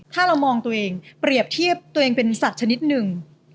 ถ้าเรามองตัวเองเปรียบเทียบตัวเองเป็นสัตว์ชนิดหนึ่ง